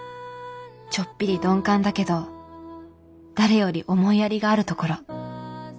ちょっぴり鈍感だけど誰より思いやりがあるところ。